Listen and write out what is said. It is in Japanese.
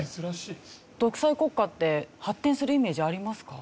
独裁国家って発展するイメージありますか？